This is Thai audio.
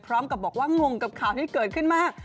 พร้อมกับบอกว่างงกับข่าวที่เกิดขึ้นมาก